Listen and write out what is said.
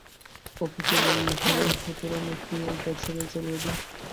অপুকে বলিল, হ্যাঁরে অপু, তোরা নাকি এ গাঁ ছেড়ে চলে যাবি?